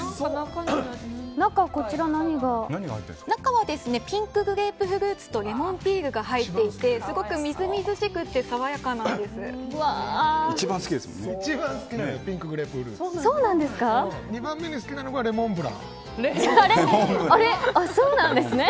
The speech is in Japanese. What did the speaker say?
中はピンクグレープフルーツとレモンピールが入っていてすごくみずみずしくて一番好きですよね。